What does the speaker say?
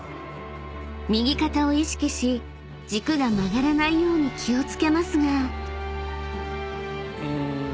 ［右肩を意識し軸が曲がらないように気を付けますが］